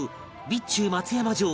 備中松山城